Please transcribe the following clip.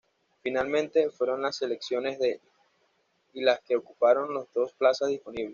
Finalmente, fueron las selecciones de y las que ocuparon las dos plazas disponibles.